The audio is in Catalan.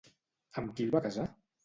Amb qui el va casar?